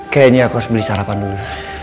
kayaknya aku harus beli sarapan dulu